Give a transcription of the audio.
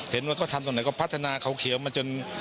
เห็นว่าเขาทำตรงไหนก็พัฒนาเขาเขียวมาจน